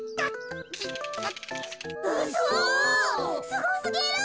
すごすぎる！